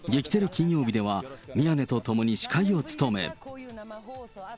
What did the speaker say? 金曜日では、宮根と共に司会を務め。